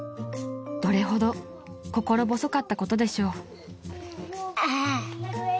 ［どれほど心細かったことでしょう］